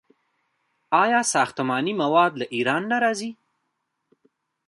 آیا ساختماني مواد له ایران نه راځي؟